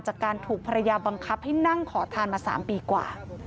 จากการถูกภรรยาบังคับให้นั่งขอทานมา๓ปีกว่า